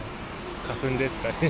花粉ですかね。